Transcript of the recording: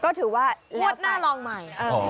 ก็ถือว่างวดหน้าลองใหม่